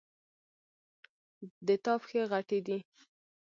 د تا پښې غټي دي